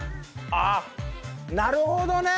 ああなるほどね！